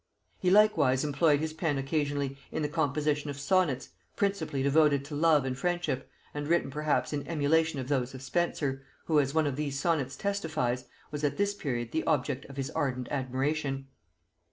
He likewise employed his pen occasionally in the composition of sonnets, principally devoted to love and friendship, and written perhaps in emulation of those of Spenser, who, as one of these sonnets testifies, was at this period the object of his ardent admiration.